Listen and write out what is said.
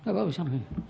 tidak pak bisa menunjukkan